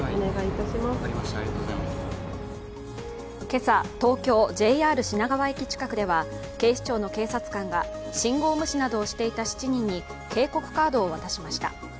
今朝、東京ＪＲ品川駅近くでは警視庁の警察官が信号無視などをしていた７人に警告カードを渡しました。